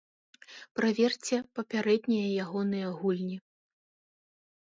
Праверце папярэднія ягоныя гульні.